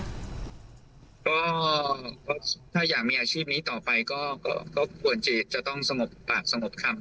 ก็ถ้าอยากมีอาชีพนี้ต่อไปก็ควรจะต้องสงบปากสงบคำ